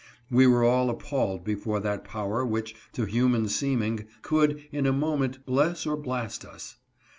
We were all appalled before that power which, to human seeming, could, in a moment, bless or blast us.